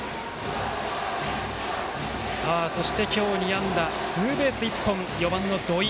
そして、今日２安打ツーベース１本４番の土井。